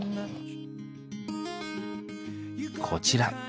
こちら。